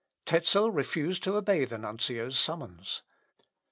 Tezel refused to obey the nuncio's summons.